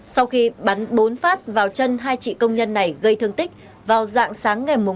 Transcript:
sau khi bắn bốn phát vào chân hai chị công nhân này gây thương tích vào dạng sáng ngày một mươi